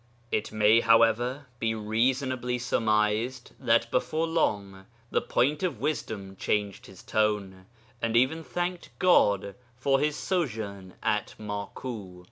It may, however, be reasonably surmised that before long the Point of Wisdom changed his tone, and even thanked God for his sojourn at Maku.